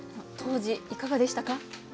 当時いかがでしたか？